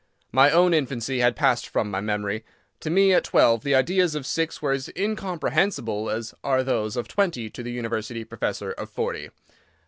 My own infancy had passed from my memory. To me, at twelve, the ideas of six were as incomprehensible as are those of twenty to the University professor of forty.